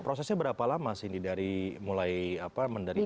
prosesnya berapa lama cindy dari mulai apa menerima